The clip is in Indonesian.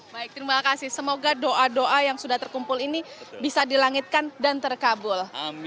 baik terima kasih semoga doa doa yang sudah terkumpul ini bisa dilangitkan dan terkabul